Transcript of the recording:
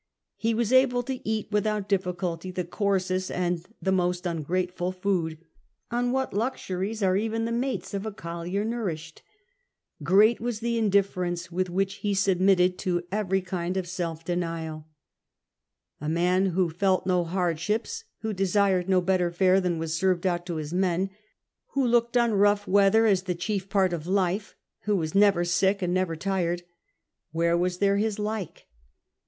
He was able to eat without difficulty the coarsest and the most ungrateful food — on what luxuries are even the mates of a collier nourished ?" Great was the indiffer ence with which he submitted to every kind of self denial." A man who felt no hardships, who desired no 34 CAPTAIN COOK CHAP. better fare than was served out to his men, who looked on rough weather as the chief part of life, who was never sick, and never tired — where was there his like